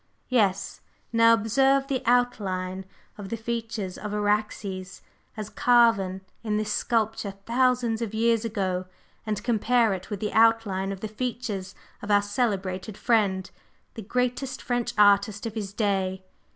Yes! Now observe the outline of the features of Araxes as carven in this sculpture thousands of years ago, and compare it with the outline of the features of our celebrated friend, the greatest French artist of his day.